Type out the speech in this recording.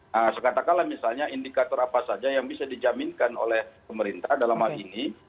nah sekata kalah misalnya indikator apa saja yang bisa dijaminkan oleh pemerintah dalam hal ini